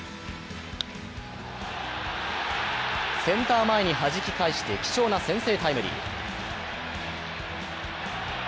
センター前にはじき返して貴重な先制タイムリー。